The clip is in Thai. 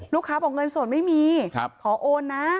ลูกค้าบอกเงินส่วนไม่มีขอโอนนะ